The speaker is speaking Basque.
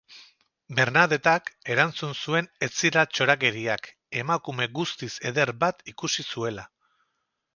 Bernadetak erantzun zuen ez zirela txorakeriak, emakume guztiz eder bat ikusi zuela.